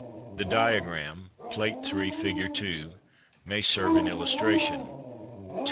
The diagram (Plate 3, fig. 2,) may serve in illustration. 293.